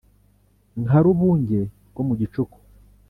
Nka Rubunge rwo mu gicuku